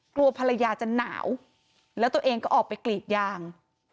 กลัวภรรยาจะหนาวแล้วตัวเองก็ออกไปกรีดยาง